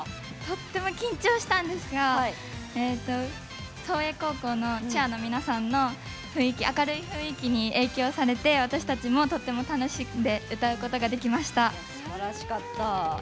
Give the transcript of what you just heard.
とても緊張したんですが創英高校のチアの皆さんの明るい雰囲気に影響されて私たちもとても楽しくて歌うことができました。